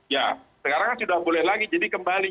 ya sekarang kan sudah boleh lagi jadi kembali